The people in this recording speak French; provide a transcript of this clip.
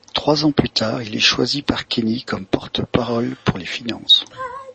Trois ans plus tard, il est choisi par Kenny comme porte-parole pour les Finances.